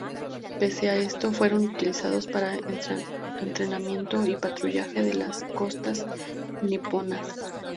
Pese a esto, fueron utilizados para entrenamiento y patrullaje de las costas niponas.